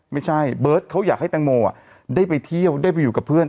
เบิร์ตเขาอยากให้แตงโมได้ไปเที่ยวได้ไปอยู่กับเพื่อน